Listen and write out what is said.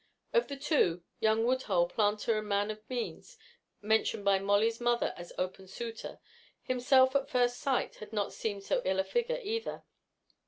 Of the two, young Woodhull, planter and man of means, mentioned by Molly's mother as open suitor, himself at first sight had not seemed so ill a figure, either.